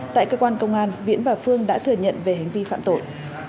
tại cơ quan công an viễn và phương đã thừa nhận về hành vi phạm tội